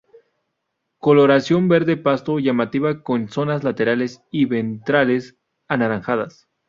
Coloración verde pasto llamativa con zonas laterales y ventrales anaranjadas.